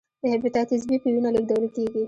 د هپاتایتس بي په وینه لېږدول کېږي.